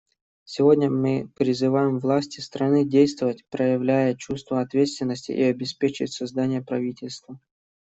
Сегодня мы призываем власти страны действовать, проявляя чувство ответственности, и обеспечить создание правительства.